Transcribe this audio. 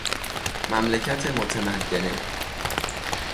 مملکت متمدنه